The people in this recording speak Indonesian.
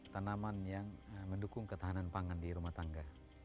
tanaman yang mendukung ketahanan pangan di rumah tangga